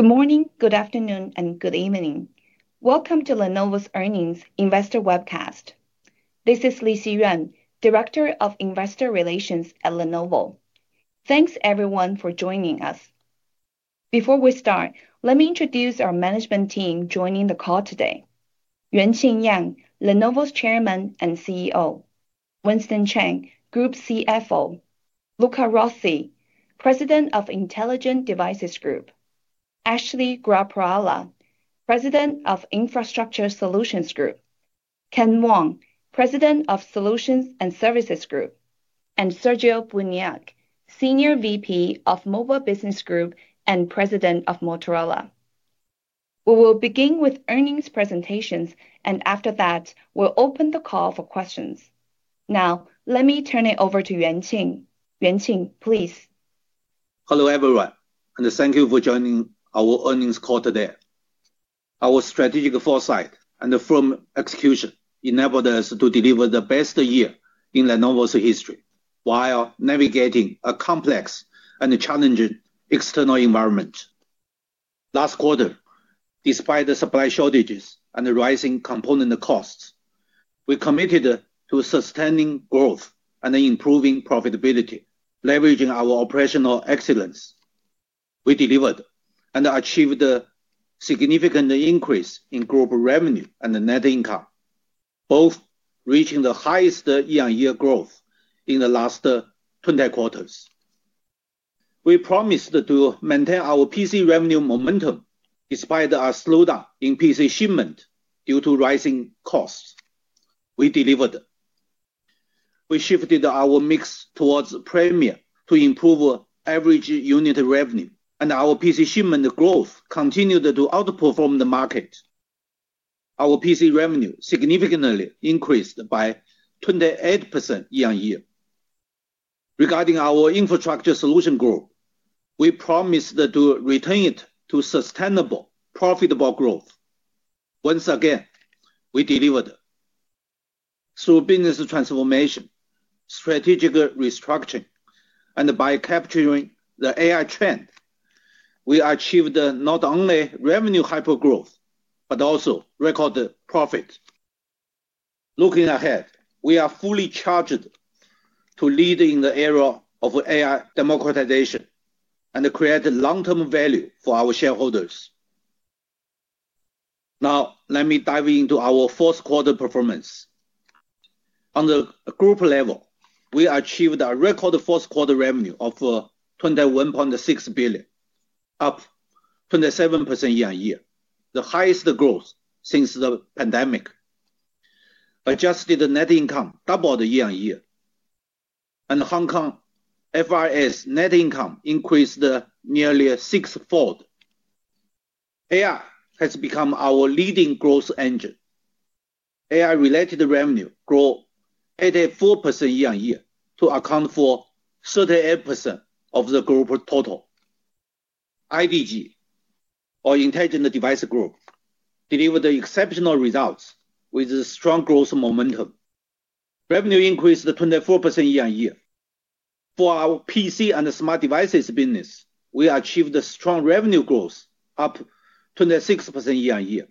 Good morning, good afternoon, and good evening. Welcome to Lenovo's Earnings Investor Webcast. This is Lixi Yuan, Director of Investor Relations at Lenovo. Thanks, everyone, for joining us. Before we start, let me introduce our management team joining the call today. Yuanqing Yang, Lenovo's Chairman and CEO. Winston Cheng, Group CFO. Luca Rossi, President of Intelligent Devices Group. Ashley Gorakhpurwalla, President of Infrastructure Solutions Group. Ken Wong, President of Solutions and Services Group. Sergio Buniac, Senior VP of Mobile Business Group and President of Motorola. We will begin with earnings presentations, and after that, we'll open the call for questions. Let me turn it over to Yuanqing. Yuanqing, please. Hello, everyone, and thank you for joining our earnings call today. Our strategic foresight and firm execution enabled us to deliver the best year in Lenovo's history while navigating a complex and challenging external environment. Last quarter, despite the supply shortages and the rising component costs, we committed to sustaining growth and improving profitability, leveraging our operational excellence. We delivered and achieved a significant increase in global revenue and net income, both reaching the highest year-on-year growth in the last 20 quarters. We promised to maintain our PC revenue momentum despite a slowdown in PC shipment due to rising costs. We delivered. We shifted our mix towards premier to improve average unit revenue, and our PC shipment growth continued to outperform the market. Our PC revenue significantly increased by 28% year-on-year. Regarding our Infrastructure Solution growth, we promised to return it to sustainable, profitable growth. Once again, we delivered. Through business transformation, strategic restructuring, and by capturing the AI trend, we achieved not only revenue hypergrowth, but also record profit. Looking ahead, we are fully charged to lead in the era of AI democratization and create long-term value for our shareholders. Let me dive into our fourth quarter performance. On the Group level, we achieved a record fourth quarter revenue of $21.6 billion, up 27% year-on-year, the highest growth since the pandemic. Adjusted net income doubled year-on-year. Hong Kong FRS net income increased nearly sixfold. AI has become our leading growth engine. AI-related revenue grew 84% year-on-year to account for 38% of the Group total. IDG, or Intelligent Devices Group, delivered exceptional results with strong growth momentum. Revenue increased 24% year-on-year. For our PC and Smart Devices business, we achieved strong revenue growth, up 26% year-on-year,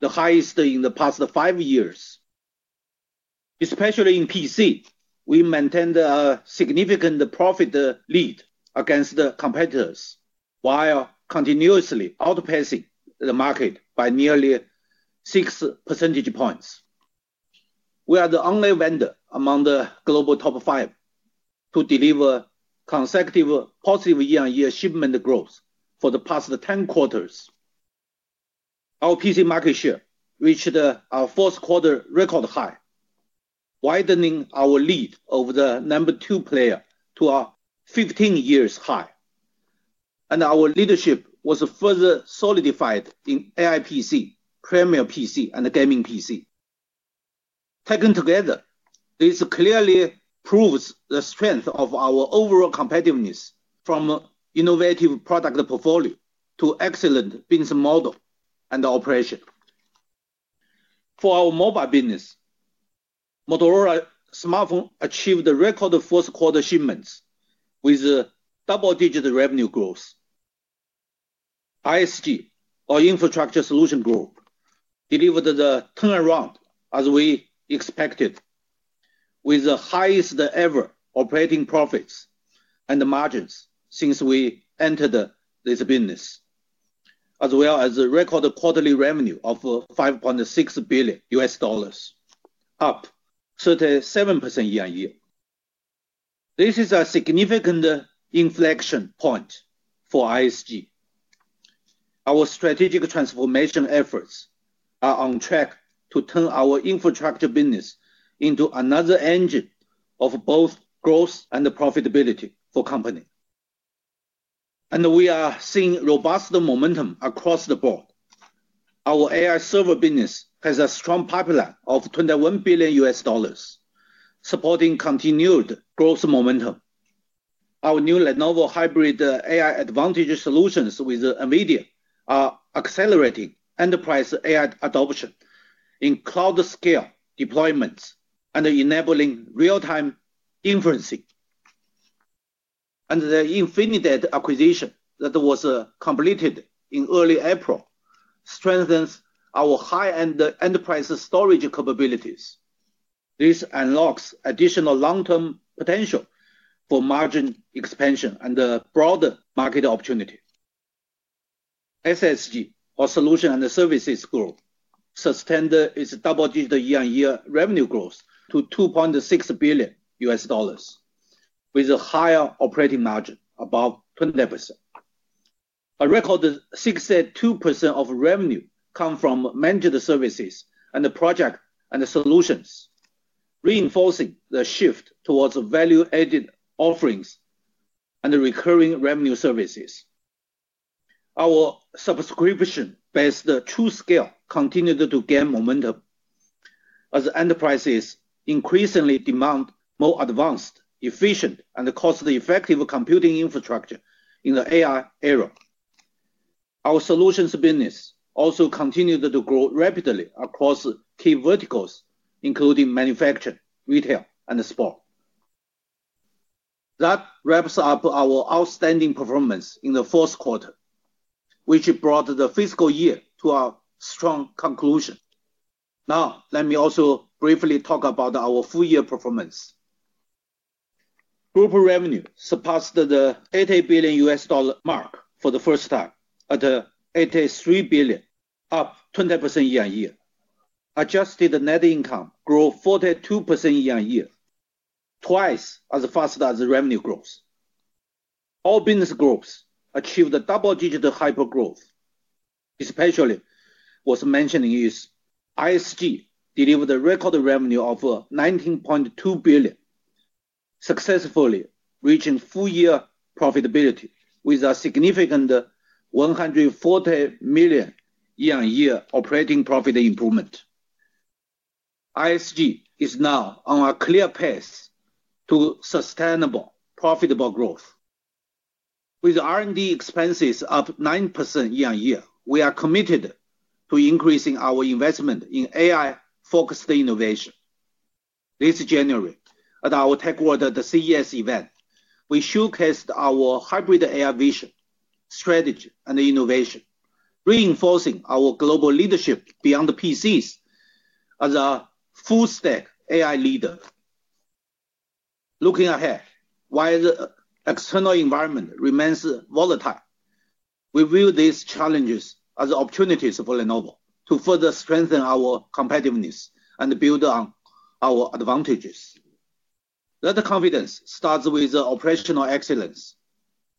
the highest in the past five years. Especially in PC, we maintained a significant profit lead against the competitors while continuously outpacing the market by nearly 6 percentage points. We are the only vendor among the global top five to deliver consecutive positive year-on-year shipment growth for the past 10 quarters. Our PC market share reached our fourth quarter record high, widening our lead over the number two player to a 15-years high. Our leadership was further solidified in AI PC, premier PC, and gaming PC. Taken together, this clearly proves the strength of our overall competitiveness from innovative product portfolio to excellent business model and operation. For our mobile business, Motorola smartphone achieved a record fourth quarter shipments with double-digit revenue growth. ISG, or Infrastructure Solutions Group, delivered the turnaround as we expected, with the highest ever operating profits and margins since we entered this business, as well as a record quarterly revenue of $5.6 billion, up 37% year-over-year. This is a significant inflection point for ISG. Our strategic transformation efforts are on track to turn our Infrastructure business into another engine of both growth and profitability for company. We are seeing robust momentum across the board. Our AI Server business has a strong pipeline of $21 billion, supporting continued growth momentum. Our new Lenovo Hybrid AI Advantage Solutions with NVIDIA are accelerating enterprise AI adoption in cloud scale deployments and enabling real-time inferencing. The Infinidat acquisition that was completed in early April strengthens our high-end enterprise storage capabilities. This unlocks additional long-term potential for margin expansion and broader market opportunity. SSG, or Solutions and Services Group, sustained its double-digit year-on-year revenue growth to $2.6 billion, with a higher operating margin above 20%. A record 62% of revenue came from Managed Services and Project & Solutions, reinforcing the shift towards value-added offerings and recurring revenue services. Our subscription-based TruScale continued to gain momentum as enterprises increasingly demand more advanced, efficient, and cost-effective computing infrastructure in the AI era. Our Solutions business also continued to grow rapidly across key verticals, including manufacturing, retail, and sport. That wraps up our outstanding performance in the fourth quarter, which brought the fiscal year to a strong conclusion. Now, let me also briefly talk about our full-year performance. Group revenue surpassed the $80 billion mark for the first time at $83 billion, up 20% year-on-year. Adjusted net income grew 42% year-on-year, twice as fast as revenue growth. All business Groups achieved double-digit hypergrowth. Especially worth mentioning is ISG delivered a record revenue of $19.2 billion, successfully reaching full-year profitability with a significant $140 million year-on-year operating profit improvement. ISG is now on a clear path to sustainable, profitable growth. With R&D expenses up 9% year-on-year, we are committed to increasing our investment in AI-focused innovation. This January at our Tech World @ CES event, we showcased our hybrid AI vision, strategy, and innovation, reinforcing our global leadership beyond PCs as a full-stack AI leader. Looking ahead, while the external environment remains volatile, we view these challenges as opportunities for Lenovo to further strengthen our competitiveness and build on our advantages. That confidence starts with operational excellence.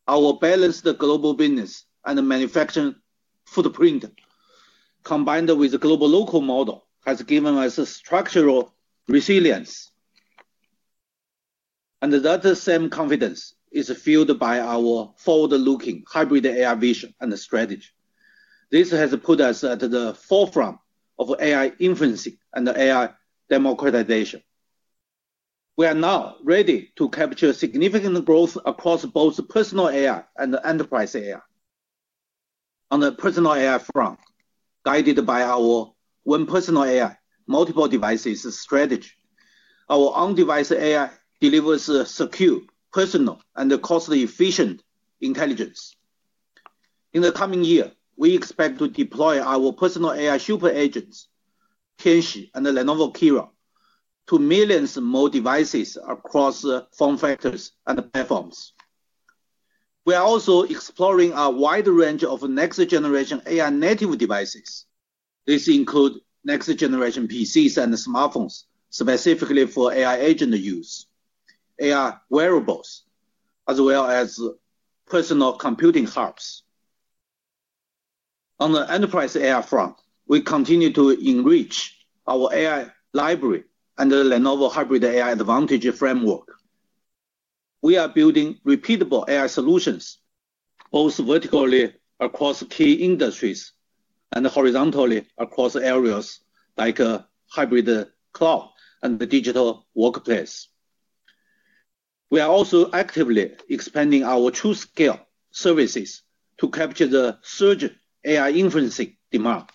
Our balanced global business and manufacturing footprint, combined with the global local model, has given us structural resilience. That same confidence is fueled by our forward-looking hybrid AI vision and strategy. This has put us at the forefront of AI inferencing and AI democratization. We are now ready to capture significant growth across both personal AI and enterprise AI. On the personal AI front, guided by our one personal AI, multiple devices strategy, our on-device AI delivers secure, personal, and cost-efficient intelligence. In the coming year, we expect to deploy our personal AI super agents, Tianxi and Lenovo Qira, to millions more devices across form factors and platforms. We are also exploring a wide range of next-generation AI-native devices. These include next-generation PCs and smartphones specifically for AI agent use, AI wearables, as well as personal computing hubs. On the enterprise AI front, we continue to enrich our AI Library and the Lenovo Hybrid AI Advantage framework. We are building repeatable AI solutions, both vertically across key industries and horizontally across areas like hybrid cloud and the digital workplace. We are also actively expanding our TruScale services to capture the surge in AI inferencing demand.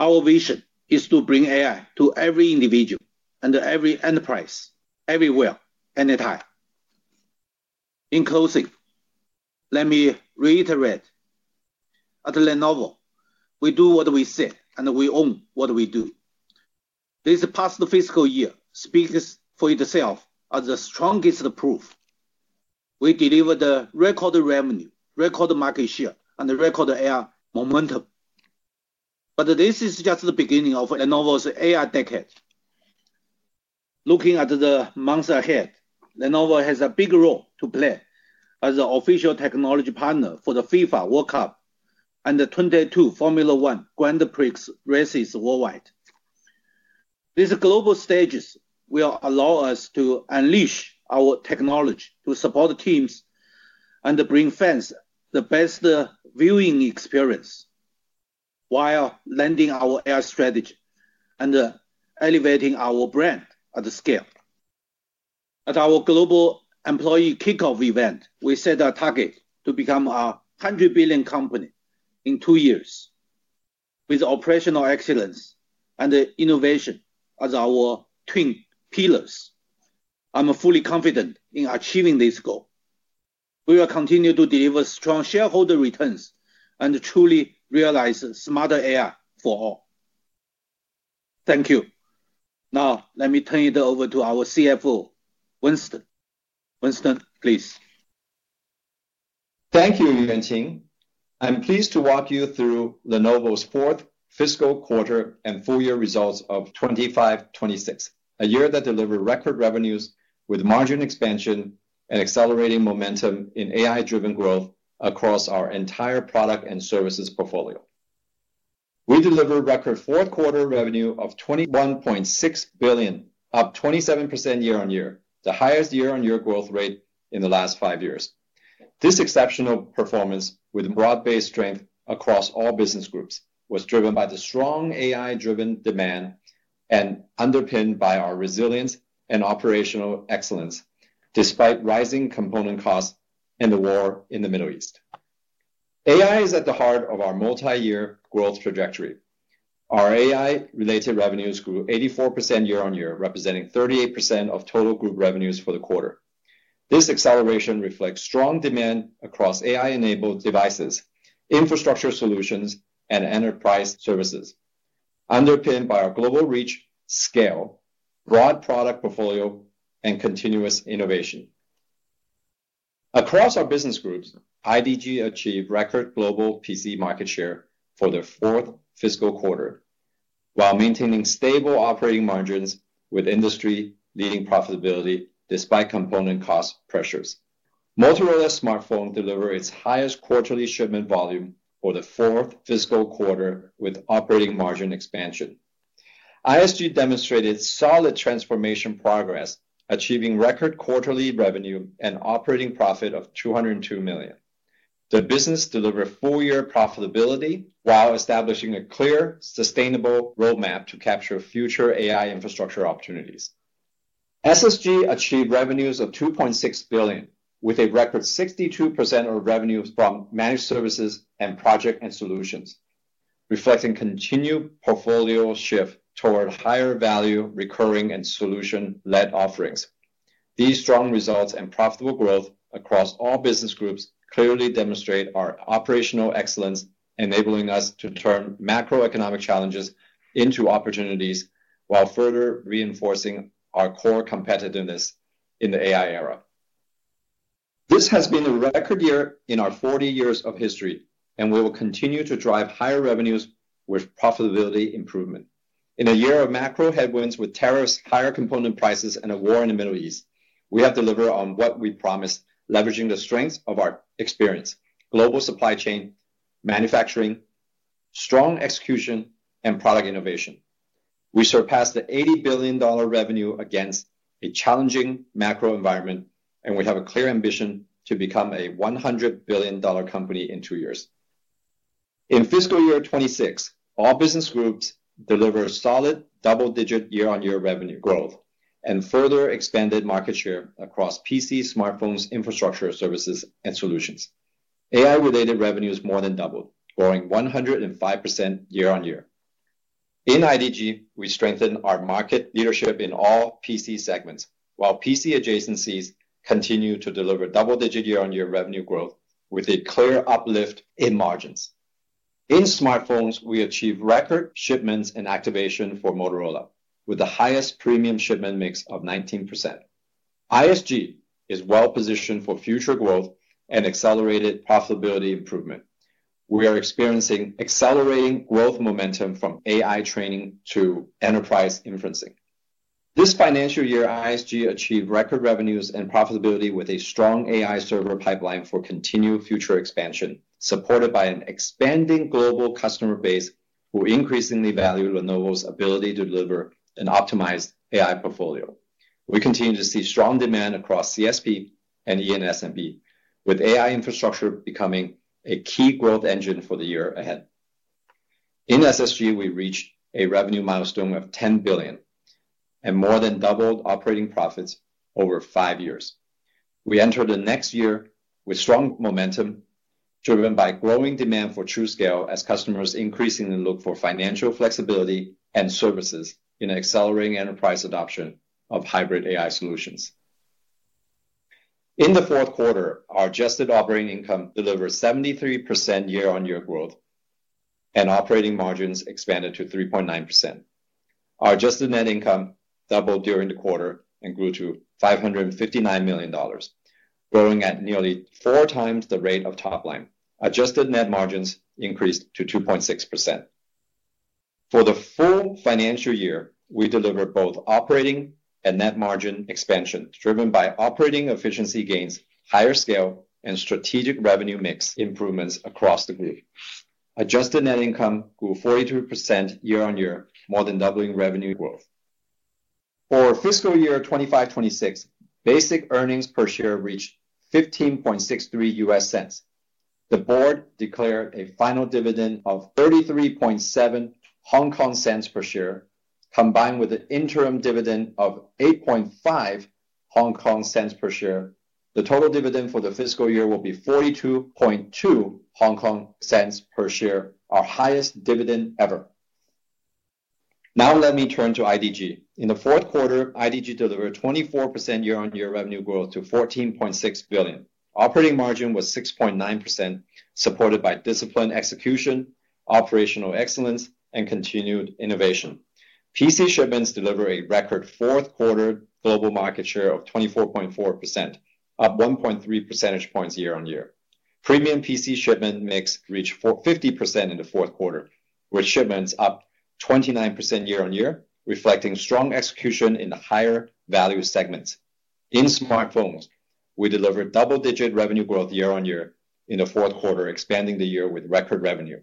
Our vision is to bring AI to every individual and every enterprise, everywhere, anytime. In closing, let me reiterate, at Lenovo, we do what we say, and we own what we do. This past fiscal year speaks for itself as the strongest proof. We delivered record revenue, record market share, and record AI momentum. This is just the beginning of Lenovo's AI decade. Looking at the months ahead, Lenovo has a big role to play as the official technology partner for the FIFA World Cup and the 2022 Formula 1 Grand Prix races worldwide. These global stages will allow us to unleash our technology to support teams and bring fans the best viewing experience while lending our AI strategy and elevating our brand at scale. At our global employee kickoff event, we set a target to become a $100 billion company in two years. With operational excellence and innovation as our twin pillars, I'm fully confident in achieving this goal. We will continue to deliver strong shareholder returns and truly realize smarter AI for all. Thank you. Now, let me turn it over to our CFO, Winston. Winston, please. Thank you Yuanqing. I am pleased to walk you through Lenovo's fourth fiscal quarter and full year results of 2025/2026, a year that delivered record revenues with margin expansion and accelerating momentum in AI-driven growth across our entire product and services portfolio. We delivered record fourth quarter revenue of $21.6 billion, up 27% year-on-year, the highest year-on-year growth rate in the last five years. This exceptional performance with broad-based strength across all business Groups was driven by the strong AI-driven demand, underpinned by our resilience and operational excellence, despite rising component costs in the war in the Middle East. AI is at the heart of our multi-year growth trajectory. Our AI-related revenues grew 84% year-on-year, representing 38% of total Group revenues for the quarter. This acceleration reflects strong demand across AI-enabled devices, infrastructure solutions, and enterprise services, underpinned by our global reach, scale, broad product portfolio, and continuous innovation. Across our business Groups, IDG achieved record global PC market share for the fourth fiscal quarter, while maintaining stable operating margins with industry-leading profitability despite component cost pressures. Motorola smartphone delivered its highest quarterly shipment volume for the fourth fiscal quarter with operating margin expansion. ISG demonstrated solid transformation progress, achieving record quarterly revenue and operating profit of $202 million. The business delivered full year profitability while establishing a clear, sustainable roadmap to capture future AI infrastructure opportunities. SSG achieved revenues of $2.6 billion, with a record 62% of revenues from Managed Services and Project & Solutions, reflecting continued portfolio shift toward higher value recurring and solution-led offerings. These strong results and profitable growth across all business Groups clearly demonstrate our operational excellence, enabling us to turn macroeconomic challenges into opportunities while further reinforcing our core competitiveness in the AI era. This has been a record year in our 40 years of history, and we will continue to drive higher revenues with profitability improvement. In a year of macro headwinds with tariffs, higher component prices, and a war in the Middle East, we have delivered on what we promised, leveraging the strength of our experience, global supply chain, manufacturing, strong execution, and product innovation. We surpassed the $80 billion revenue against a challenging macro environment, and we have a clear ambition to become a $100 billion company in two years. In FY 2026, all business Groups delivered solid double-digit year-on-year revenue growth, and further expanded market share across PC, smartphones, infrastructure services, and solutions. AI-related revenues more than doubled, growing 105% year-on-year. In IDG, we strengthened our market leadership in all PC segments, while PC adjacencies continue to deliver double-digit year-on-year revenue growth with a clear uplift in margins. In smartphones, we achieved record shipments and activation for Motorola, with the highest premium shipment mix of 19%. ISG is well-positioned for future growth and accelerated profitability improvement. We are experiencing accelerating growth momentum from AI training to enterprise inferencing. This financial year, ISG achieved record revenues and profitability with a strong AI server pipeline for continued future expansion, supported by an expanding global customer base who increasingly value Lenovo's ability to deliver an optimized AI portfolio. We continue to see strong demand across CSP and EN&SMB, with AI infrastructure becoming a key growth engine for the year ahead. In SSG, we reached a revenue milestone of $10 billion, and more than doubled operating profits over five years. We enter the next year with strong momentum driven by growing demand for TruScale as customers increasingly look for financial flexibility and services in accelerating enterprise adoption of Hybrid AI Solutions. In the fourth quarter, our adjusted operating income delivered 73% year-over-year growth, and operating margins expanded to 3.9%. Our adjusted net income doubled during the quarter and grew to $559 million, growing at nearly 4x the rate of top line. Adjusted net margins increased to 2.6%. For the full financial year, we delivered both operating and net margin expansion driven by operating efficiency gains, higher scale, and strategic revenue mix improvements across the Group. Adjusted net income grew 43% year-over-year, more than doubling revenue growth. For fiscal year 2025/2026, basic earnings per share reached $0.1563. The board declared a final dividend of 0.337 per share. Combined with the interim dividend of 0.085 per share, the total dividend for the fiscal year will be 0.422 per share, our highest dividend ever. Let me turn to IDG. In the fourth quarter, IDG delivered 24% year-on-year revenue growth to $14.6 billion. Operating margin was 6.9%, supported by disciplined execution, operational excellence, and continued innovation. PC shipments deliver a record fourth quarter global market share of 24.4%, up 1.3 percentage points year-on-year. Premium PC shipment mix reached 50% in the fourth quarter, with shipments up 29% year-on-year, reflecting strong execution in the higher value segments. In smartphones, we delivered double-digit revenue growth year-on-year in the fourth quarter, expanding the year with record revenue.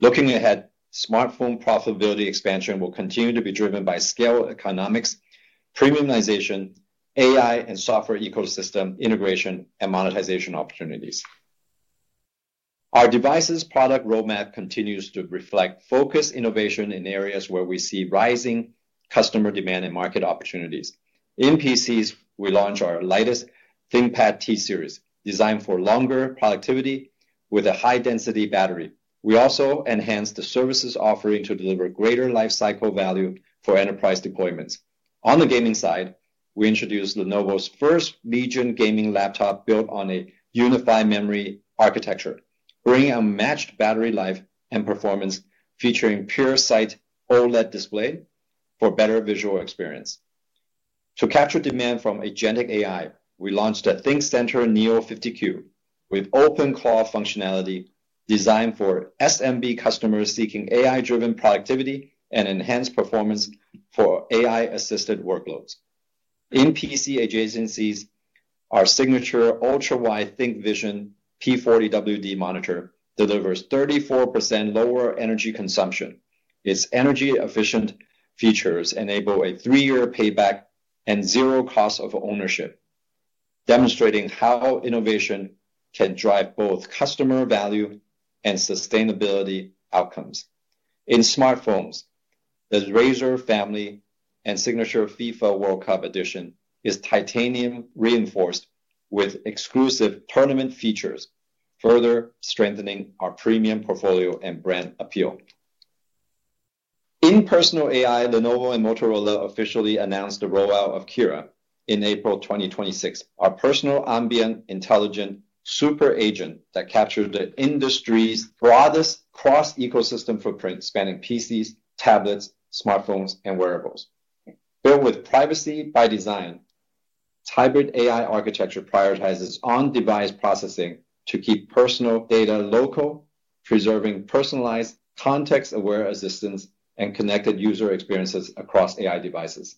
Looking ahead, smartphone profitability expansion will continue to be driven by scale economics, premiumization, AI and software ecosystem integration, and monetization opportunities. Our devices product roadmap continues to reflect focused innovation in areas where we see rising customer demand and market opportunities. In PCs, we launch our lightest ThinkPad T series, designed for longer productivity with a high-density battery. We also enhance the services offering to deliver greater life cycle value for enterprise deployments. On the gaming side, we introduced Lenovo's first Legion gaming laptop built on a unified memory architecture, bringing a matched battery life and performance featuring PureSight OLED display for better visual experience. To capture demand from agentic AI, we launched a ThinkCentre Neo 50q with OpenClaw functionality designed for SMB customers seeking AI-driven productivity and enhanced performance for AI-assisted workloads. In PC adjacencies, our signature ultra-wide ThinkVision P40WD-20 monitor delivers 34% lower energy consumption. Its energy-efficient features enable a three-year payback and zero cost of ownership, demonstrating how innovation can drive both customer value and sustainability outcomes. In smartphones, the Razr family and signature FIFA World Cup edition is titanium-reinforced with exclusive tournament features, further strengthening our premium portfolio and brand appeal. In personal AI, Lenovo and Motorola officially announced the rollout of Qira in April 2026. Our personal ambient intelligent super agent that captured the industry's broadest cross-ecosystem footprint, spanning PCs, tablets, smartphones, and wearables. Built with privacy by design, its hybrid AI architecture prioritizes on-device processing to keep personal data local, preserving personalized context-aware assistance and connected user experiences across AI devices.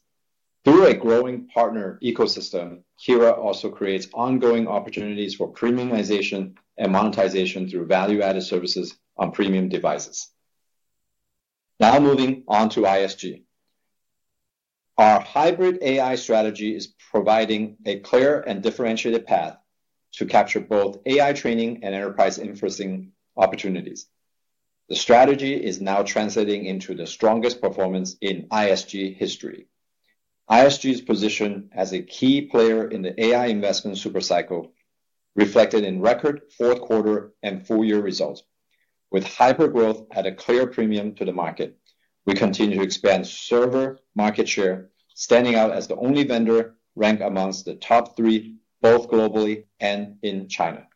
Through a growing partner ecosystem, Qira also creates ongoing opportunities for premiumization and monetization through value-added services on premium devices. Moving on to ISG. Our hybrid AI strategy is providing a clear and differentiated path to capture both AI training and enterprise inferencing opportunities. The strategy is now translating into the strongest performance in ISG history. ISG's position as a key player in the AI investment super cycle reflected in record fourth quarter and full-year results. With hybrid growth at a clear premium to the market, we continue to expand server market share, standing out as the only vendor ranked amongst the top three, both globally and in China.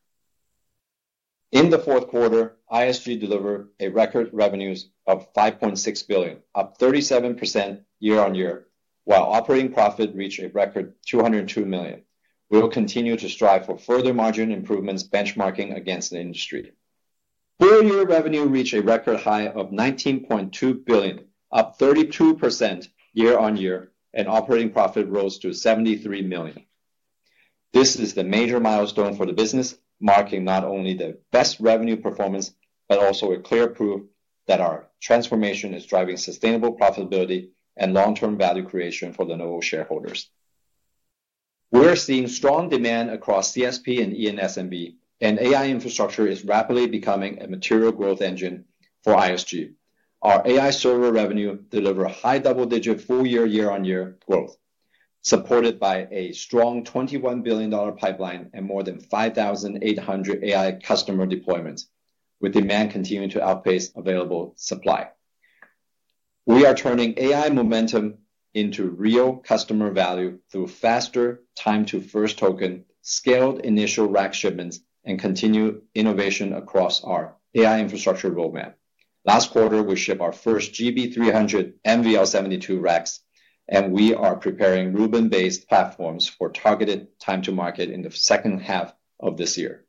In the fourth quarter, ISG delivered a record revenues of $5.6 billion, up 37% year-on-year, while operating profit reached a record $202 million. We will continue to strive for further margin improvements benchmarking against the industry. Full-year revenue reached a record high of $19.2 billion, up 32% year-on-year, and operating profit rose to $73 million. This is the major milestone for the business, marking not only the best revenue performance, but also a clear proof that our transformation is driving sustainable profitability and long-term value creation for Lenovo shareholders. We're seeing strong demand across CSP and EN&SMB, and AI Infrastructure is rapidly becoming a material growth engine for ISG. Our AI Server revenue deliver high double-digit full-year, year-on-year growth, supported by a strong $21 billion pipeline and more than 5,800 AI customer deployments, with demand continuing to outpace available supply. We are turning AI momentum into real customer value through faster time to first token, scaled initial rack shipments, and continued innovation across our AI Infrastructure roadmap. Last quarter, we shipped our first GB200 NVL72 racks, and we are preparing Rubin-based platforms for targeted time to market in the second half of this year.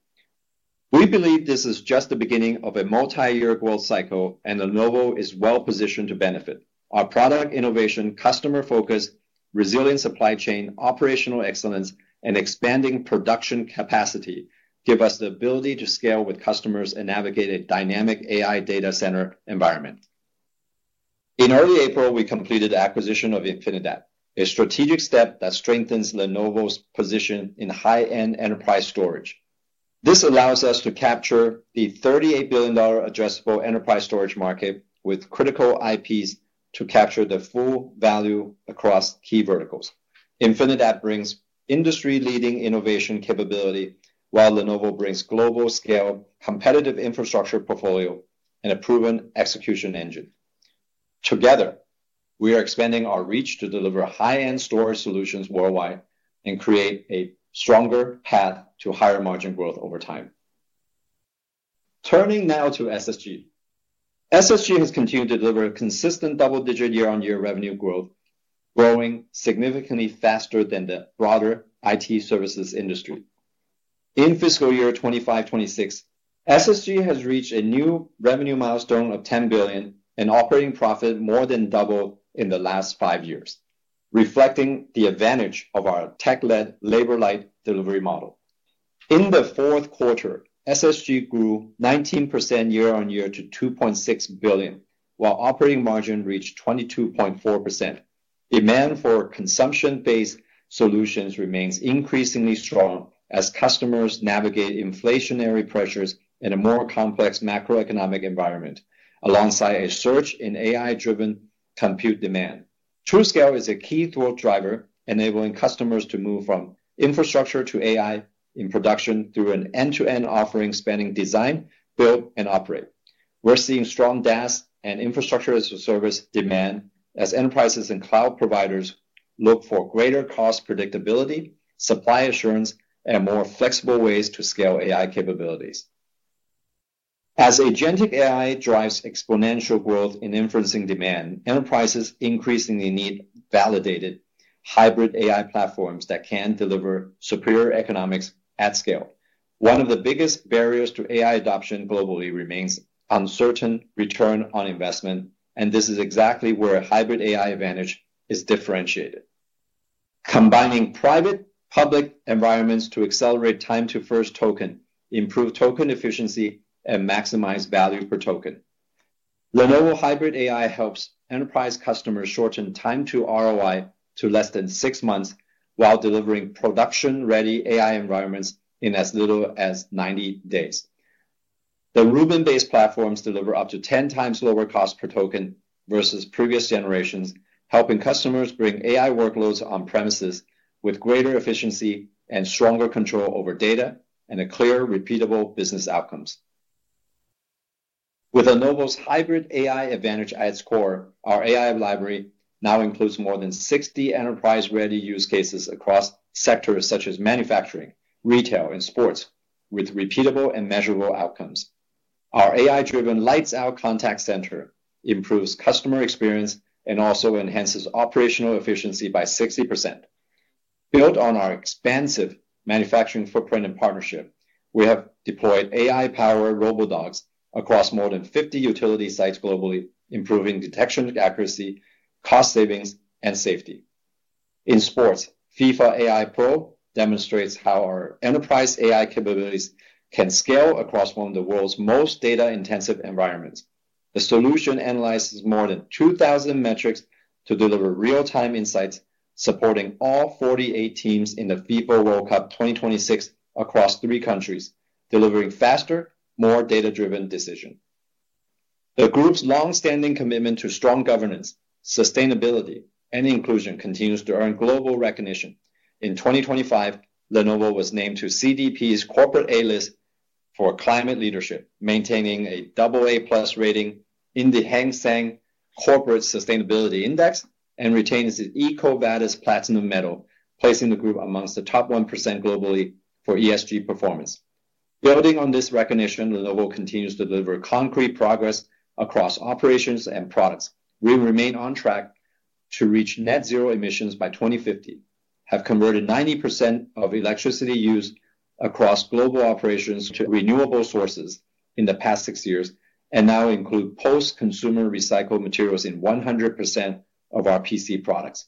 We believe this is just the beginning of a multi-year growth cycle, and Lenovo is well-positioned to benefit. Our product innovation, customer focus, resilient supply chain, operational excellence, and expanding production capacity give us the ability to scale with customers and navigate a dynamic AI data center environment. In early April, we completed the acquisition of Infinidat, a strategic step that strengthens Lenovo's position in high-end enterprise storage. This allows us to capture the $38 billion addressable enterprise storage market with critical IPs to capture the full value across key verticals. Infinidat brings industry-leading innovation capability, while Lenovo brings global scale, competitive infrastructure portfolio, and a proven execution engine. Together, we are expanding our reach to deliver high-end storage solutions worldwide and create a stronger path to higher margin growth over time. Turning now to SSG. SSG has continued to deliver consistent double-digit year-on-year revenue growth, growing significantly faster than the broader IT services industry. In fiscal year 2025, 2026, SSG has reached a new revenue milestone of $10 billion and operating profit more than double in the last five years, reflecting the advantage of our tech-led labor light delivery model. In the fourth quarter, SSG grew 19% year-on-year to $2.6 billion, while operating margin reached 22.4%. Demand for consumption-based solutions remains increasingly strong as customers navigate inflationary pressures in a more complex macroeconomic environment, alongside a surge in AI-driven compute demand. TruScale is a key growth driver, enabling customers to move from infrastructure to AI in production through an end-to-end offering spanning design, build, and operate. We're seeing strong DaaS and infrastructure as a service demand as enterprises and cloud providers look for greater cost predictability, supply assurance, and more flexible ways to scale AI capabilities. As agentic AI drives exponential growth in inferencing demand, enterprises increasingly need validated Hybrid AI platforms that can deliver superior economics at scale. One of the biggest barriers to AI adoption globally remains uncertain ROI, and this is exactly where a Hybrid AI advantage is differentiated. Combining private-public environments to accelerate time to first token, improve token efficiency, and maximize value per token. Lenovo Hybrid AI helps enterprise customers shorten time to ROI to less than six months while delivering production-ready AI environments in as little as 90 days. The Rubin-based platforms deliver up to 10x lower cost per token versus previous generations, helping customers bring AI workloads on premises with greater efficiency and stronger control over data, and a clear repeatable business outcomes. With Lenovo Hybrid AI Advantage at its core, our AI Library now includes more than 60 enterprise-ready use cases across sectors such as manufacturing, retail, and sports with repeatable and measurable outcomes. Our AI-driven lights-out contact center improves customer experience and also enhances operational efficiency by 60%. Built on our expansive manufacturing footprint and partnership, we have deployed AI-powered RoboDogs across more than 50 utility sites globally, improving detection accuracy, cost savings, and safety. In sports, FIFA AI Pro demonstrates how our enterprise AI capabilities can scale across one of the world's most data-intensive environments. The solution analyzes more than 2,000 metrics to deliver real-time insights, supporting all 48 teams in the FIFA World Cup 2026 across three countries, delivering faster, more data-driven decision. The Group's longstanding commitment to strong governance, sustainability, and inclusion continues to earn global recognition. In 2025, Lenovo was named to CDP's Corporate A List for Climate Leadership, maintaining a AA+ rating in the Hang Seng Corporate Sustainability Index, and retains its EcoVadis platinum medal, placing the Group amongst the top 1% globally for ESG performance. Building on this recognition, Lenovo continues to deliver concrete progress across operations and products. We remain on track to reach net zero emissions by 2050, have converted 90% of electricity used across global operations to renewable sources in the past six years, and now include post-consumer recycled materials in 100% of our PC products.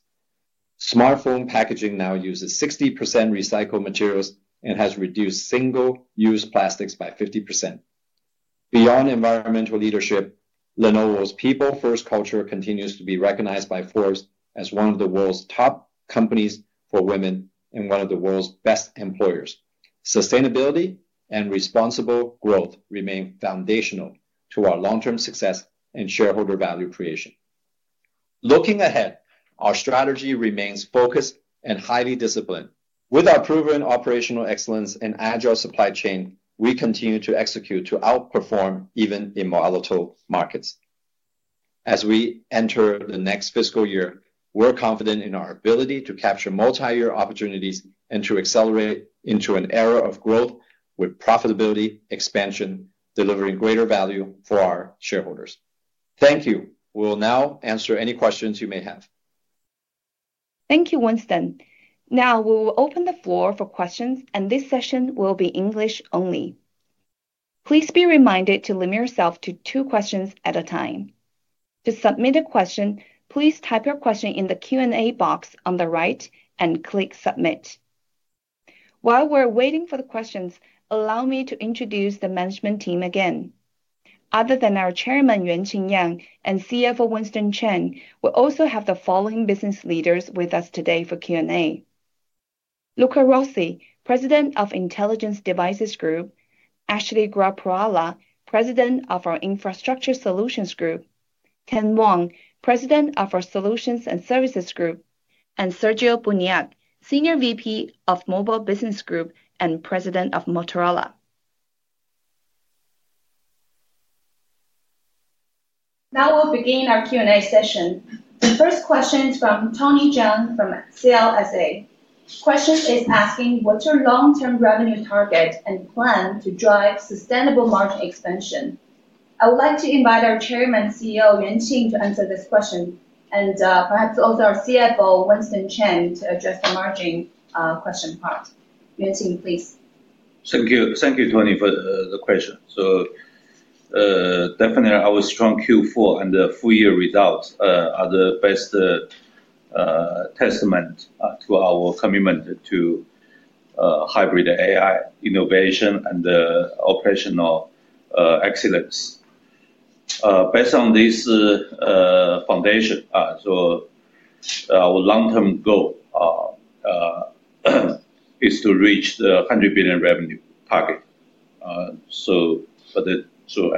Smartphone packaging now uses 60% recycled materials and has reduced single-use plastics by 50%. Beyond environmental leadership, Lenovo's people-first culture continues to be recognized by Forbes as one of the world's top companies for women and one of the world's best employers. Sustainability and responsible growth remain foundational to our long-term success and shareholder value creation. Looking ahead, our strategy remains focused and highly disciplined. With our proven operational excellence and agile supply chain, we continue to execute to outperform even in volatile markets. As we enter the next fiscal year, we're confident in our ability to capture multi-year opportunities and to accelerate into an era of growth with profitability expansion, delivering greater value for our shareholders. Thank you. We will now answer any questions you may have. Thank you, Winston. Now, we will open the floor for questions, and this session will be English only. Please be reminded to limit yourself to two questions at a time. To submit a question, please type your question in the Q&A box on the right and click Submit. While we are waiting for the questions, allow me to introduce the management team again. Other than our Chairman, Yuanqing Yang, and CFO Winston Cheng, we also have the following business leaders with us today for Q&A. Luca Rossi, President of the Intelligent Devices Group, Ashley Gorakhpurwalla, President of our Infrastructure Solutions Group, Ken Wong, President of our Solutions and Services Group, and Sergio Buniac, Senior VP of Mobile Business Group and President of Motorola. Now we'll begin our Q&A session. The first question is from Tony Jung from CLSA. Question is asking, what's your long-term revenue target and plan to drive sustainable margin expansion? I would like to invite our Chairman and CEO, Yuanqing, to answer this question and perhaps also our CFO, Winston Cheng, to address the margin question part. Yuanqing, please. Thank you, Tony, for the question. Definitely our strong Q4 and full-year results are the best testament to our commitment to Hybrid AI innovation and operational excellence. Based on this foundation, our long-term goal is to reach the $100 billion revenue target.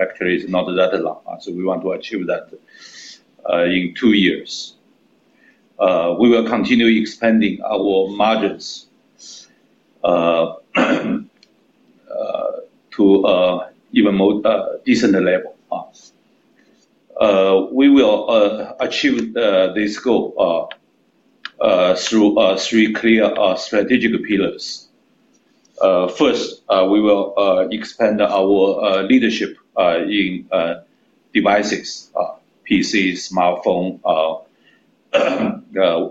Actually, it's not that long. We want to achieve that in two years. We will continue expanding our margins to even more decent level. We will achieve this goal through three clear strategic pillars. First, we will expand our leadership in devices, PCs, smartphone,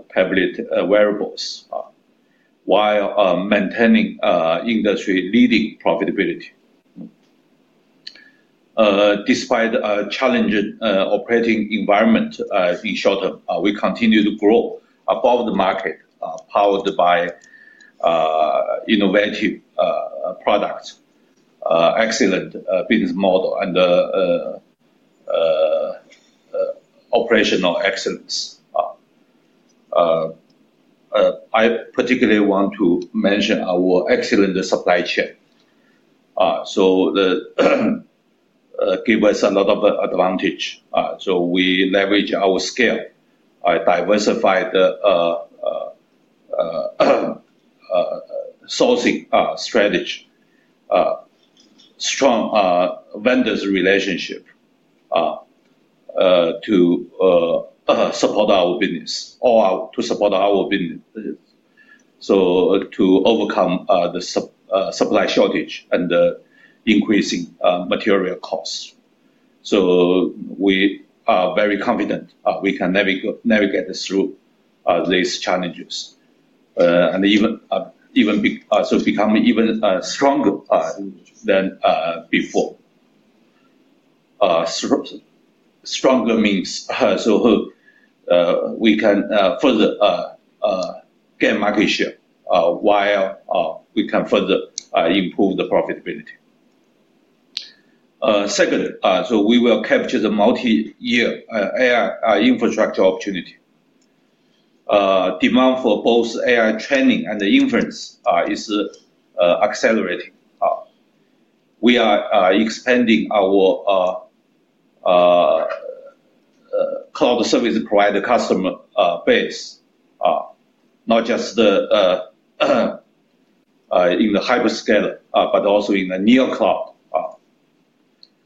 tablet, wearables, while maintaining industry-leading profitability. Despite a challenging operating environment in short term, we continue to grow above the market, powered by innovative products, excellent business model, and operational excellence. I particularly want to mention our excellent supply chain. Give us a lot of advantage. We leverage our scale, our diversified sourcing strategy, strong vendors relationship to support our business. To overcome the supply shortage and the increasing material costs. We are very confident we can navigate through these challenges. It's becoming even stronger than before. Stronger means we can further gain market share, while we can further improve the profitability. Second, we will capture the multi-year AI infrastructure opportunity. Demand for both AI training and inference is accelerating. We are expanding our cloud service provider customer base, not just the in the hyperscaler, but also in the neocloud.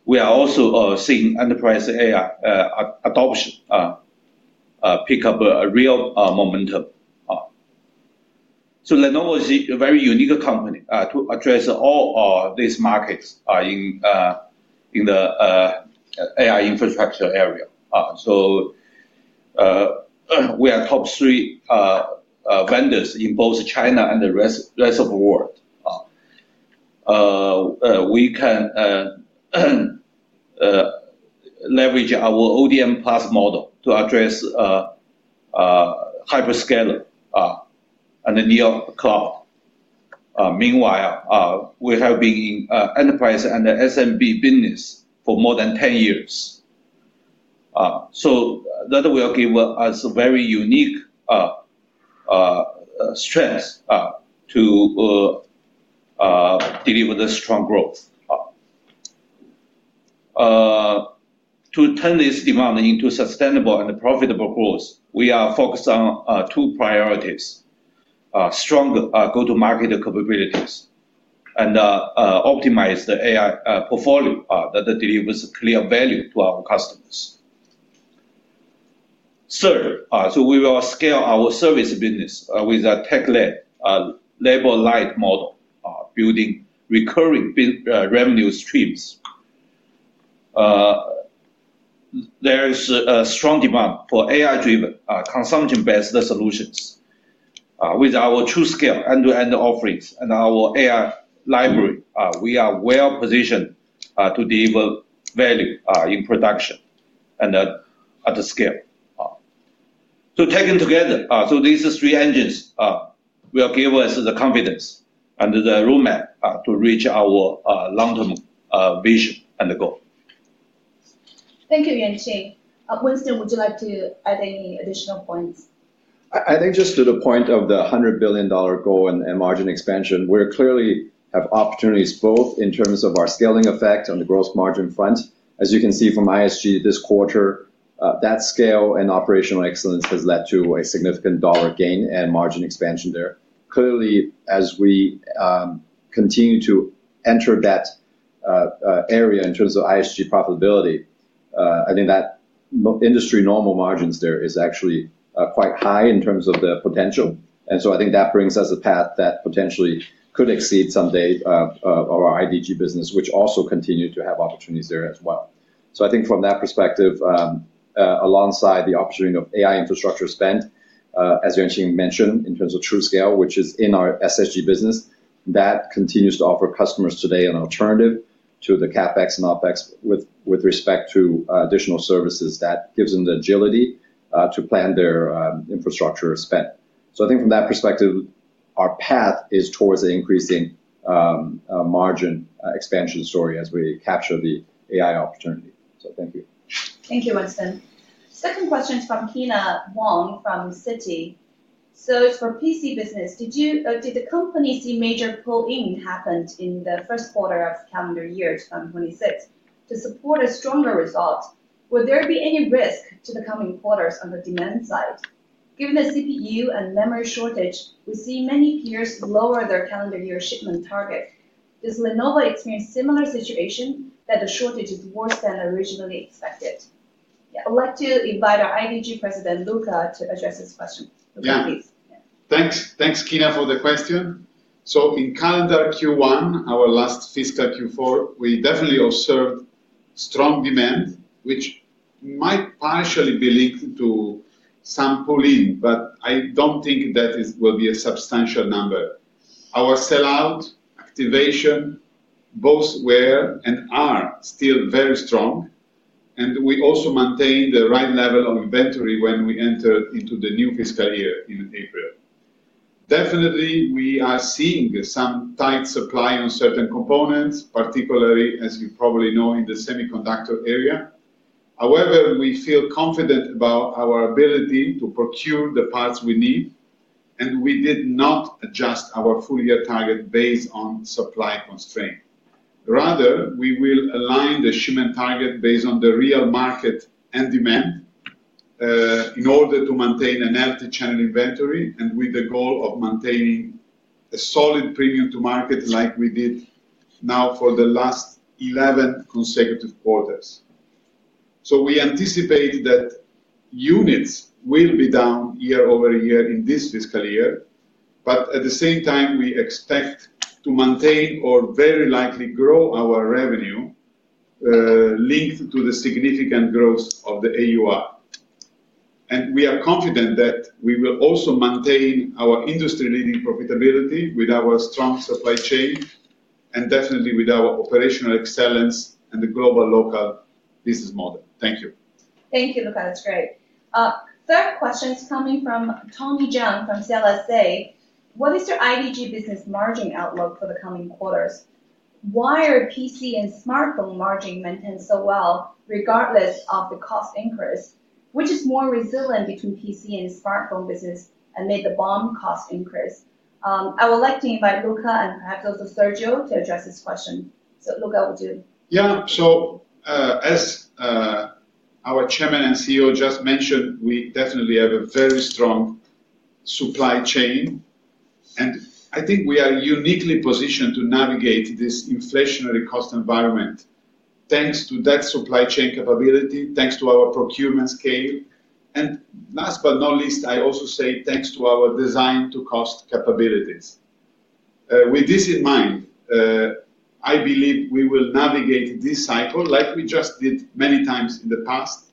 We are also seeing enterprise AI adoption pick up a real momentum. Lenovo is a very unique company to address all these markets in the AI infrastructure area. We are top three vendors in both China and the rest of the world. We can leverage our ODM+ model to address hyperscaler and the neocloud. Meanwhile, we have been in enterprise and the SMB business for more than 10 years. That will give us very unique strengths to deliver the strong growth. To turn this demand into sustainable and profitable growth, we are focused on two priorities. Stronger go-to-market capabilities and optimize the AI portfolio that delivers clear value to our customers. Third, we will scale our Service business with a tech-led labor light model, building recurring revenue streams. There is a strong demand for AI-driven, consumption-based solutions. With our TruScale end-to-end offerings and our AI Library, we are well positioned to deliver value in production and at scale. Taken together, these three engines will give us the confidence and the roadmap to reach our long-term vision and the goal. Thank you, Yang Yuanqing. Winston, would you like to add any additional points? I think just to the point of the $100 billion goal and margin expansion, we clearly have opportunities both in terms of our scaling effect on the gross margin front. As you can see from ISG this quarter, that scale and operational excellence has led to a significant dollar gain and margin expansion there. Clearly, as we continue to enter that area in terms of ISG profitability, I think that industry normal margins there is actually quite high in terms of the potential. I think that brings us a path that potentially could exceed someday our IDG business, which also continue to have opportunities there as well. I think from that perspective, alongside the opportunity of AI infrastructure spend, as Yuanqing mentioned, in terms of TruScale, which is in our SSG business, that continues to offer customers today an alternative to the CapEx and OpEx with respect to additional services that gives them the agility to plan their infrastructure spend. I think from that perspective, our path is towards an increasing margin expansion story as we capture the AI opportunity. Thank you. Thank you, Winston. Second question is from Kyna Wong from Citi. For PC business, did the company see major pull-in happened in the first quarter of calendar year 2026 to support a stronger result? Will there be any risk to the coming quarters on the demand side? Given the CPU and memory shortage, we see many peers lower their calendar year shipment target. Does Lenovo experience similar situation that the shortage is worse than originally expected? Yeah, I'd like to invite our IDG President, Luca, to address this question. Luca, please. Yeah. Thanks, Kyna, for the question. In calendar Q1, our last fiscal Q4, we definitely observed strong demand, which might partially be linked to some pull-in, but I don't think that will be a substantial number. Our sell-out, activation, both were and are still very strong, and we also maintain the right level of inventory when we enter into the new fiscal year in April. Definitely, we are seeing some tight supply on certain components, particularly, as you probably know, in the semiconductor area. However, we feel confident about our ability to procure the parts we need, and we did not adjust our full-year target based on supply constraint. Rather, we will align the shipment target based on the real market and demand, in order to maintain a healthy channel inventory and with the goal of maintaining a solid premium to market like we did now for the last 11 consecutive quarters. We anticipate that units will be down year-over-year in this fiscal year. At the same time, we expect to maintain or very likely grow our revenue, linked to the significant growth of the AUR. We are confident that we will also maintain our industry-leading profitability with our strong supply chain and definitely with our operational excellence and the global local business model. Thank you. Thank you, Luca. That's great. Third question is coming from Tommy Jung from CLSA. What is your IDG business margin outlook for the coming quarters? Why are PC and smartphone margin maintained so well, regardless of the cost increase? Which is more resilient between PC and Smartphone business amid the BOM cost increase? I would like to invite Luca and perhaps also Sergio to address this question. Luca will do. Yeah, sure. As our Chairman and CEO just mentioned, we definitely have a very strong supply chain, and I think we are uniquely positioned to navigate this inflationary cost environment, thanks to that supply chain capability, thanks to our procurement scale, and last but not least, I also say thanks to our design to cost capabilities. With this in mind, I believe we will navigate this cycle like we just did many times in the past,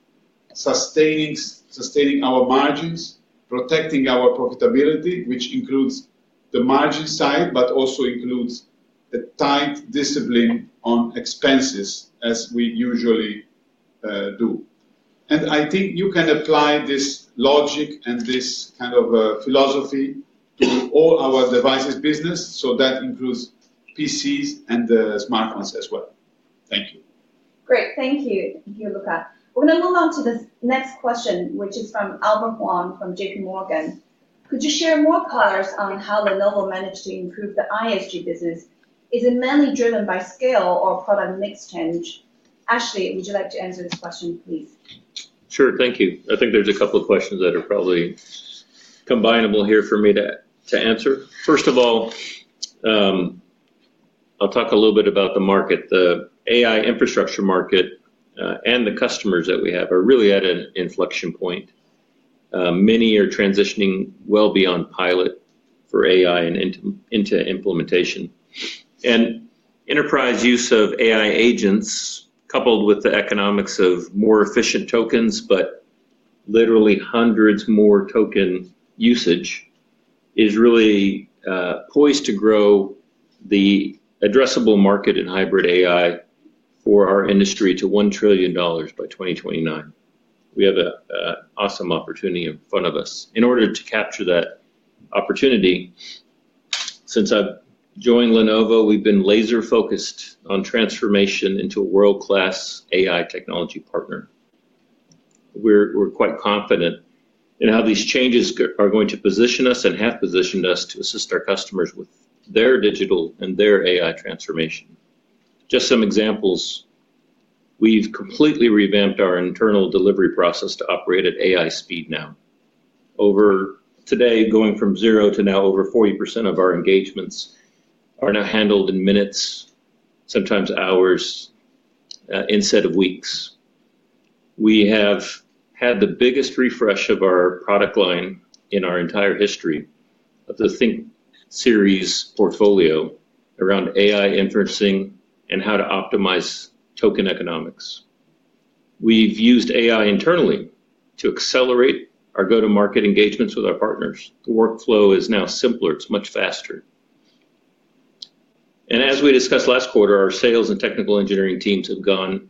sustaining our margins, protecting our profitability, which includes the margin side, but also includes the tight discipline on expenses as we usually do. I think you can apply this logic and this kind of philosophy to all our devices business, so that includes PCs and smartphones as well. Thank you. Great. Thank you. Thank you, Luca. We're going to move on to the next question, which is from Albert Wang from JPMorgan. Could you share more colors on how Lenovo managed to improve the ISG business? Is it mainly driven by scale or product mix change? Ashley, would you like to answer this question, please? Sure. Thank you. First of all, I'll talk a little bit about the market. The AI infrastructure market, and the customers that we have are really at an inflection point. Many are transitioning well beyond pilot for AI and into implementation. Enterprise use of AI agents, coupled with the economics of more efficient tokens, but literally hundreds more token usage Is really poised to grow the addressable market in hybrid AI for our industry to $1 trillion by 2029. We have an awesome opportunity in front of us. In order to capture that opportunity, since I've joined Lenovo, we've been laser-focused on transformation into a world-class AI technology partner. We're quite confident in how these changes are going to position us and have positioned us to assist our customers with their digital and their AI transformation. Just some examples, we've completely revamped our internal delivery process to operate at AI speed now. Today, going from 0% to now over 40% of our engagements are now handled in minutes, sometimes hours, instead of weeks. We have had the biggest refresh of our product line in our entire history of the Think series portfolio around AI inferencing and how to optimize token economics. We've used AI internally to accelerate our go-to-market engagements with our partners. The workflow is now simpler, it's much faster. As we discussed last quarter, our sales and technical engineering teams have gone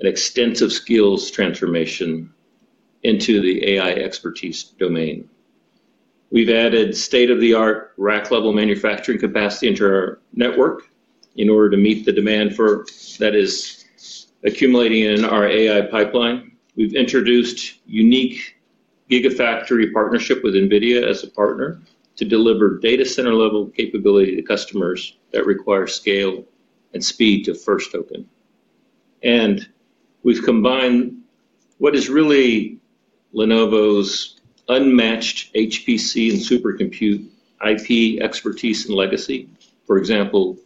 an extensive skills transformation into the AI expertise domain. We've added state-of-the-art rack-level manufacturing capacity into our network in order to meet the demand that is accumulating in our AI pipeline. We've introduced unique gigafactory partnership with NVIDIA as a partner to deliver data center-level capability to customers that require scale and speed to first token. We've combined what is really Lenovo's unmatched HPC and super compute IP expertise and legacy. For example,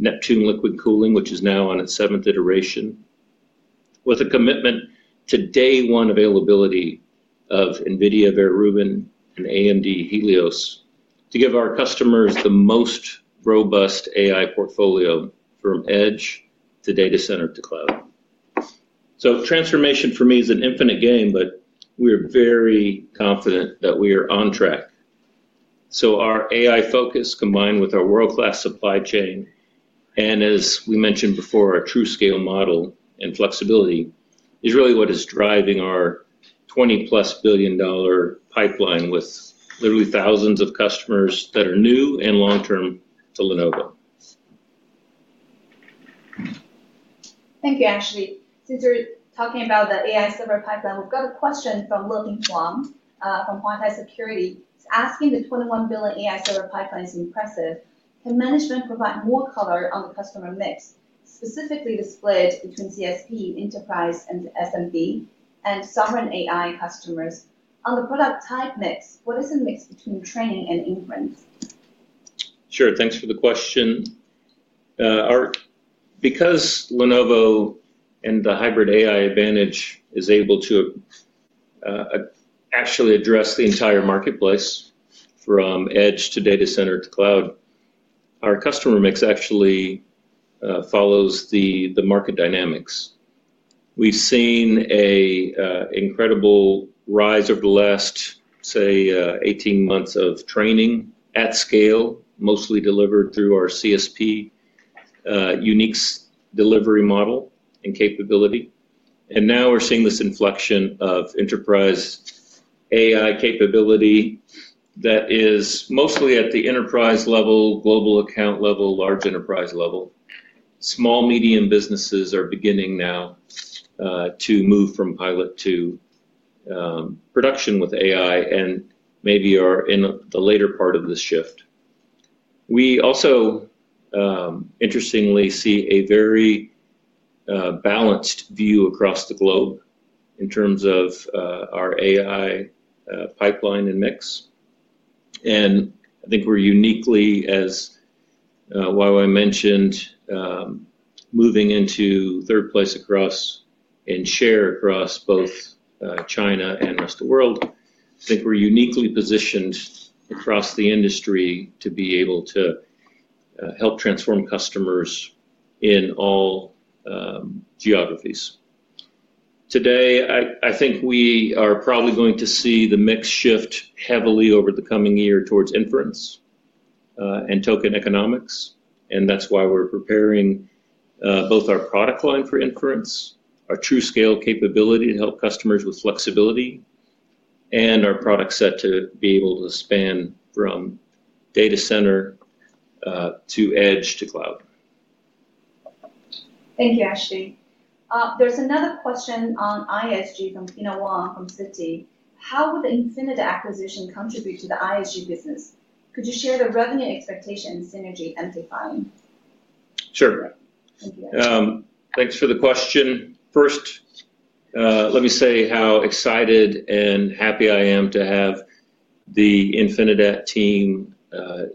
Neptune liquid cooling, which is now on its seventh iteration, with a commitment to day one availability of NVIDIA Vera Rubin and AMD Helios to give our customers the most robust AI portfolio from edge, to data center, to cloud. Transformation for me is an infinite game, but we're very confident that we are on track. Our AI focus, combined with our world-class supply chain, and as we mentioned before, our TruScale model and flexibility, is really what is driving our $20+ billion pipeline with literally thousands of customers that are new and long-term to Lenovo. Thank you, Ashley. Since you're talking about the AI server pipeline, we've got a question from Leping Huang from Huatai Securities. He's asking, the $21 billion AI server pipeline is impressive. Can management provide more color on the customer mix, specifically the split between CSP, enterprise, and SMB, and sovereign AI customers. On the product type mix, what is the mix between training and inference? Sure. Thanks for the question. Because Lenovo and the Lenovo Hybrid AI Advantage is able to actually address the entire marketplace from edge, to data center, to cloud, our customer mix actually follows the market dynamics. We've seen an incredible rise over the last, say, 18 months of training at scale, mostly delivered through our CSP unique delivery model and capability. Now we're seeing this inflection of enterprise AI capability that is mostly at the enterprise level, global account level, large enterprise level. Small, medium businesses are beginning now to move from pilot to production with AI, and maybe are in the later part of this shift. We also interestingly see a very balanced view across the globe in terms of our AI pipeline and mix, and I think we're uniquely, as Yuanqing mentioned, moving into third place across, and share across both China and rest of world. I think we're uniquely positioned across the industry to be able to help transform customers in all geographies. Today, I think we are probably going to see the mix shift heavily over the coming year towards inference and token economics, and that's why we're preparing both our product line for inference, our TruScale capability to help customers with flexibility, and our product set to be able to span from data center, to edge, to cloud. Thank you, Ashley. There's another question on ISG from Tina Wang from Citi. How will the Infinidat acquisition contribute to the ISG business? Could you share the revenue expectation synergy and timeline? Sure. Thank you, Ashley. Thanks for the question. First, let me say how excited and happy I am to have the Infinidat team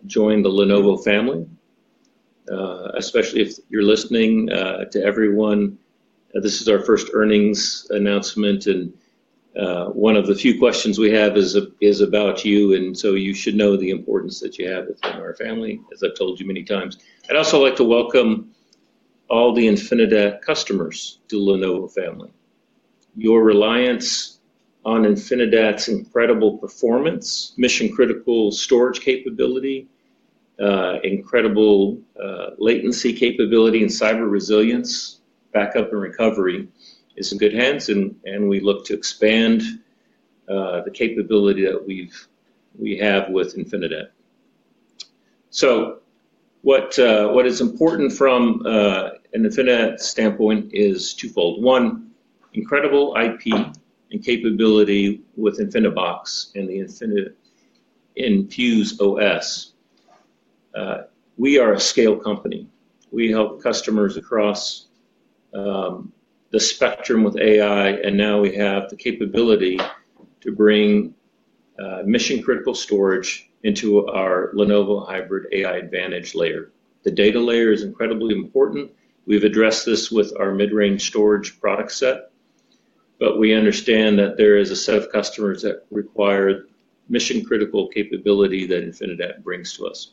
join the Lenovo family. Especially if you're listening, to everyone, this is our first earnings announcement, and one of the few questions we have is about you, and so you should know the importance that you have within our family, as I've told you many times. I'd also like to welcome all the Infinidat customers to Lenovo family. Your reliance on Infinidat's incredible performance, mission-critical storage capability, incredible latency capability and cyber resilience, backup and recovery, is in good hands. We look to expand the capability that we have with Infinidat. What is important from an Infinidat standpoint is twofold. One, incredible IP and capability with InfiniBox and the Infinidat InfuzeOS. We are a scale company. We help customers across the spectrum with AI, now we have the capability to bring mission-critical storage into our Lenovo Hybrid AI Advantage layer. The data layer is incredibly important. We've addressed this with our mid-range storage product set, we understand that there is a set of customers that require the mission-critical capability that Infinidat brings to us.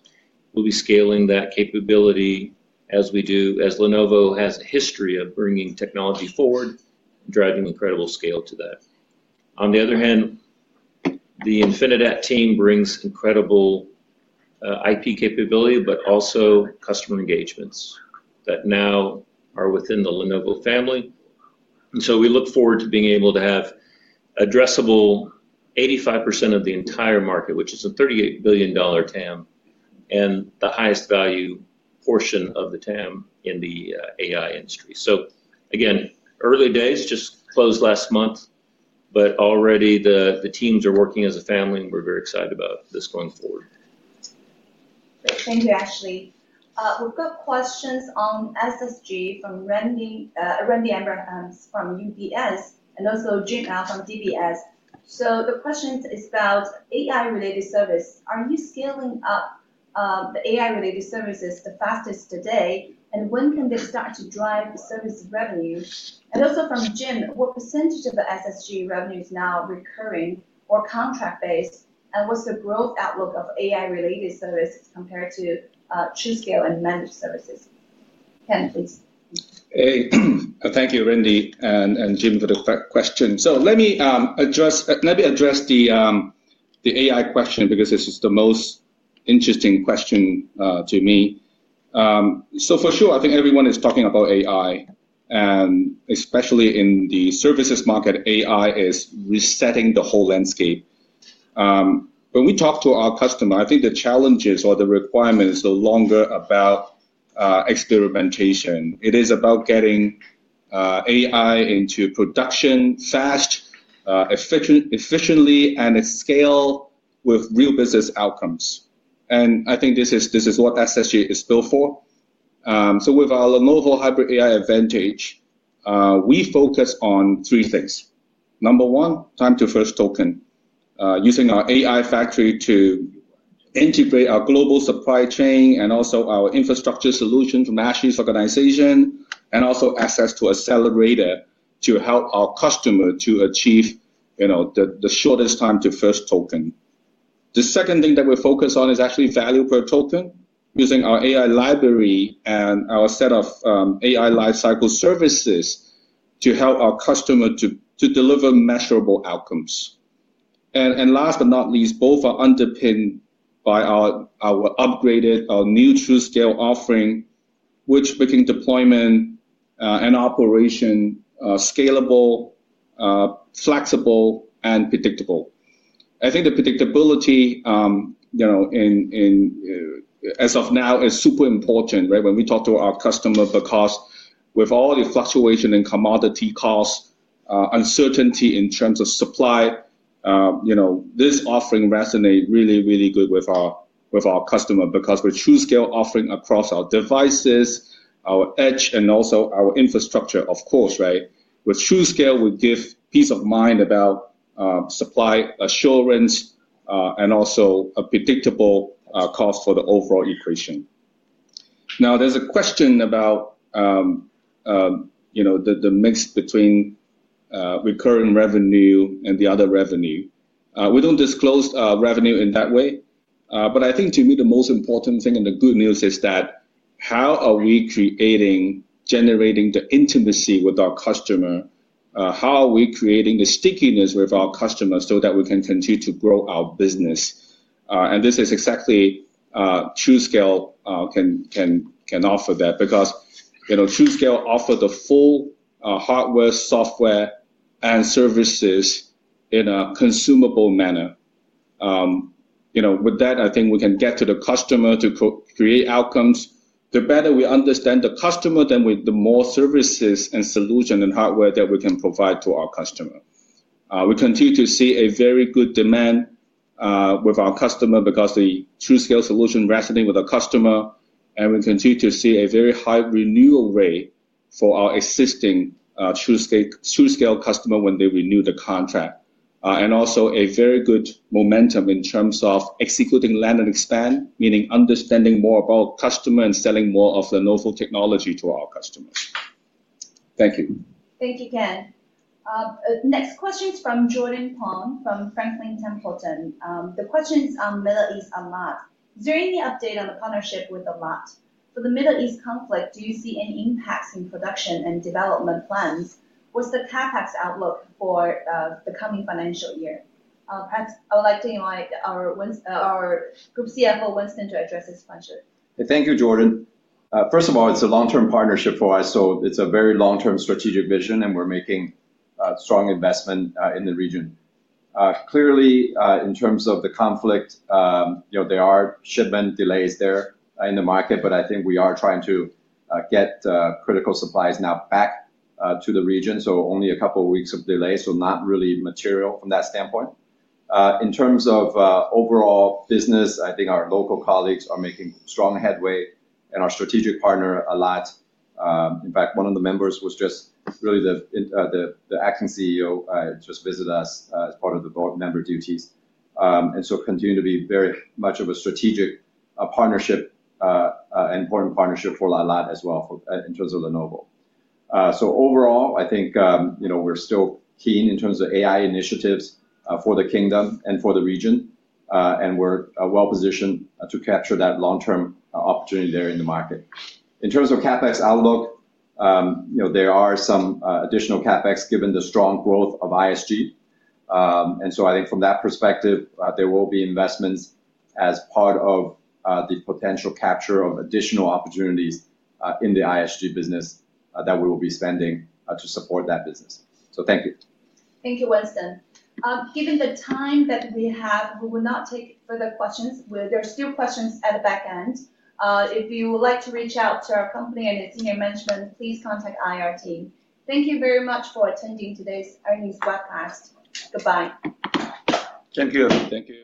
We'll be scaling that capability as we do, as Lenovo has a history of bringing technology forward and driving incredible scale to that. On the other hand, the Infinidat team brings incredible IP capability, but also customer engagements that now are within the Lenovo family. We look forward to being able to have addressable 85% of the entire market, which is a $38 billion TAM, and the highest value portion of the TAM in the AI industry. Again, early days, just closed last month, but already the teams are working as a family, and we're very excited about this going forward. Great. Thank you, Ashley. We've got questions on SSG from Randy Abrams from UBS and also Jim Mao from DBS. The question is about AI-related service. Are you scaling up the AI-related services the fastest today, and when can they start to drive service revenue? Also from Jim, what percentage of the SSG revenue is now recurring or contract-based, and what's the growth outlook of AI-related services compared to TruScale and Managed Services? Ken, please. Thank you, Randy and Jim, for the question. Let me address the AI question because this is the most interesting question to me. For sure, I think everyone is talking about AI, and especially in the services market, AI is resetting the whole landscape. When we talk to our customer, I think the challenges or the requirement is no longer about experimentation. It is about getting AI into production fast, efficiently, and at scale with real business outcomes. I think this is what SSG is built for. With our Lenovo Hybrid AI Advantage, we focus on three things. Number one, time to first token. Using our AI factory to integrate our global supply chain and also our infrastructure solution from Ashley's organization, and also access to accelerator to help our customer to achieve the shortest time to first token. The second thing that we focus on is actually value per token, using our AI Library and our set of AI lifecycle services to help our customer to deliver measurable outcomes. Last but not least, both are underpinned by our upgraded, our new TruScale offering, which making deployment and operation scalable, flexible, and predictable. I think the predictability as of now is super important, right? When we talk to our customer, because with all the fluctuation in commodity cost, uncertainty in terms of supply, this offering resonate really, really good with our customer because with TruScale offering across our devices, our edge, and also our infrastructure, of course, right? With TruScale, we give peace of mind about supply assurance, and also a predictable cost for the overall equation. Now, there's a question about the mix between recurring revenue and the other revenue. We don't disclose revenue in that way. I think to me, the most important thing and the good news is that how are we creating, generating the intimacy with our customer? How are we creating the stickiness with our customer so that we can continue to grow our business? This is exactly TruScale can offer that because TruScale offer the full hardware, software, and services in a consumable manner. With that, I think we can get to the customer to create outcomes. The better we understand the customer, then the more services and solution and hardware that we can provide to our customer. We continue to see a very good demand with our customer because the TruScale solution resonate with the customer, and we continue to see a very high renewal rate for our existing TruScale customer when they renew the contract. Also a very good momentum in terms of executing land and expand, meaning understanding more about customer and selling more of Lenovo technology to our customer. Thank you. Thank you, Ken. Next question is from Jordan Pong from Franklin Templeton. The question is on Middle East Alat. Is there any update on the partnership with Alat? For the Middle East conflict, do you see any impacts in production and development plans? What's the CapEx outlook for the coming financial year? Perhaps I would like to invite our Group CFO, Winston, to address this question. Thank you, Jordan. It's a long-term partnership for us, so it's a very long-term strategic vision, and we're making a strong investment in the region. In terms of the conflict, there are shipment delays there in the market. I think we are trying to get critical supplies now back to the region. Only a couple of weeks of delay, not really material from that standpoint. I think our local colleagues are making strong headway. Our strategic partner, Alat. One of the members, the Acting CEO, just visited us as part of the board member duties. Continue to be very much of a strategic partnership, an important partnership for Alat as well in terms of Lenovo. Overall, I think we're still keen in terms of AI initiatives for the Kingdom and for the region. We're well-positioned to capture that long-term opportunity there in the market. In terms of CapEx outlook, there are some additional CapEx given the strong growth of ISG. I think from that perspective, there will be investments as part of the potential capture of additional opportunities in the ISG business that we will be spending to support that business. Thank you. Thank you, Winston. Given the time that we have, we will not take further questions. There are still questions at the back end. If you would like to reach out to our company and its senior management, please contact IR team. Thank you very much for attending today's earnings webcast. Goodbye. Thank you. Thank you.